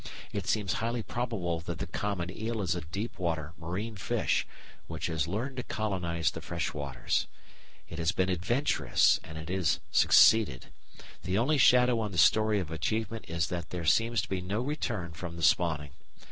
It seems highly probable that the common eel is a deep water marine fish which has learned to colonise the freshwaters. It has been adventurous and it has succeeded. The only shadow on the story of achievement is that there seems to be no return from the spawning.